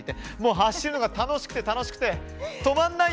走るのが楽しくて楽しくてたまりません。